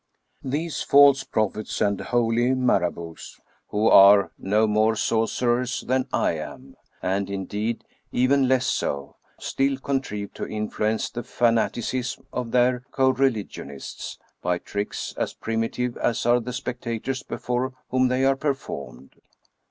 These false prophets and holy Marabouts, who are no more sorcerers than I am, and indeed even less so, still contrive to influence the fanaticism of their coreligionists by tricks as primitive as are the spectators before whom they are performed.